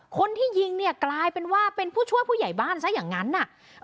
คนที่ยิงเนี่ยกลายเป็นว่าเป็นผู้ช่วยผู้ใหญ่บ้านซะอย่างนั้นน่ะ